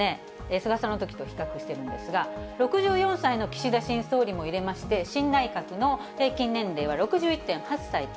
菅さんのときと比較しているんですが、６４歳の岸田新総理も入れまして、新内閣の平均年齢は６１．８歳と。